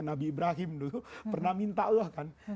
nabi ibrahim dulu pernah minta allah kan